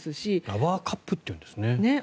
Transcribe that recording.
ラバーカップっていうんですね。